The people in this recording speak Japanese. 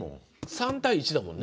３対１だもんね。